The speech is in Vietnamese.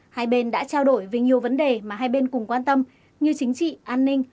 hai bên đã trao đổi về nhiều vấn đề mà hai bên cùng quan tâm như chính trị an ninh